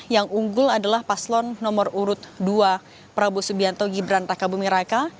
yang unggul adalah paslon nomor urut dua prabowo subianto gibran raka bumi raka